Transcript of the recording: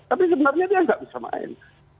tapi sebenarnya dia nggak bisa main